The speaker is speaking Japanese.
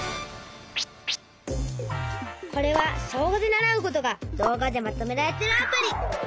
これは小５で習うことが動画でまとめられてるアプリ。